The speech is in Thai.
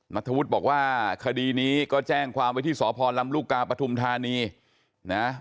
นัทธวุฒิบอกว่าคดีนี้ก็แจ้งความไว้ที่สพลำลูกกาปฐุมธานีนะ